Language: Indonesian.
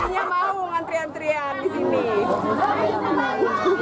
jadinya mau antrian antrian di sini